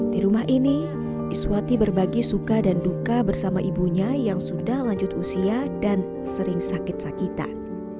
di rumah ini iswati berbagi suka dan duka bersama ibunya yang sudah lanjut usia dan sering sakit sakitan